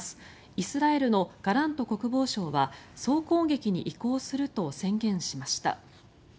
イスラエルのガラント国防相は総攻撃に移行すると宣言しました。